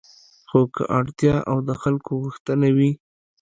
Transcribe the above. خو که اړتیا او د خلکو غوښتنه وي